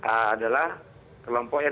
adalah kelompok yang